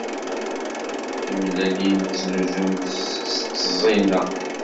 Timellalin ttnuzunt s tteẓẓina.